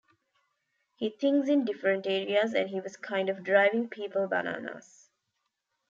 He thinks in different areas and he was kind of driving people bananas.